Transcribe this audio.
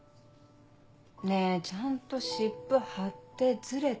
ねぇちゃんと湿布貼ってズレた。